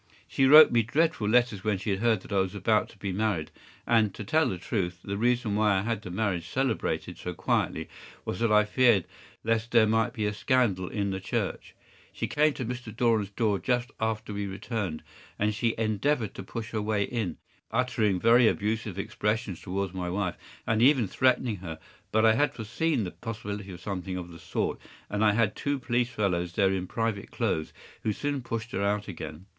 She wrote me dreadful letters when she heard that I was about to be married; and, to tell the truth, the reason why I had the marriage celebrated so quietly was that I feared lest there might be a scandal in the church. She came to Mr. Doran’s door just after we returned, and she endeavored to push her way in, uttering very abusive expressions towards my wife, and even threatening her, but I had foreseen the possibility of something of the sort, and I had two police fellows there in private clothes, who soon pushed her out again.